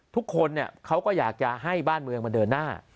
ทุกคนเขาก็อยากจะให้บ้านเมืองมาเดินหน้า